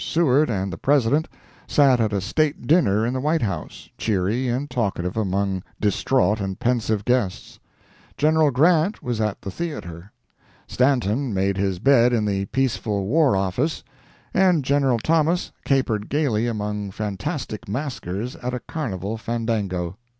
Seward and the President sat at a state dinner in the White House, cheery and talkative among distraught and pensive guests; General Grant was at the theatre; Stanton made his bed in the peaceful War Office, and General Thomas capered gaily among fantastic maskers at a carnival fandango!